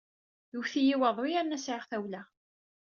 Iwet-iyi waḍu yerna sɛiɣ tawla.